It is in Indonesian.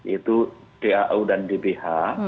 itu dau dan dbh